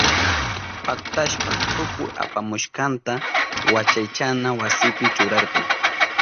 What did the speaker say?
Paktashpan tukuy apamushkanta wakaychana wasipi churarka.